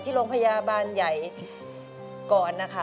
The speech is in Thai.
ที่โรงพยาบาลใหญ่ก่อนนะคะ